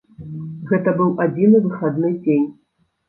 Гэта быў адзіны выхадны дзень.